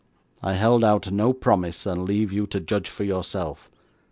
I held out no promise, and leave you to judge for yourself.